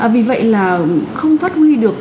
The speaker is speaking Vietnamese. vì vậy là không phát huy được